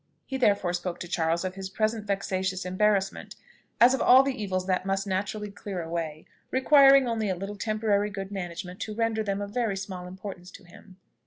He therefore spoke to Charles of his present vexatious embarrassments as of all evils that must naturally clear away, requiring only a little temporary good management to render them of very small importance to him.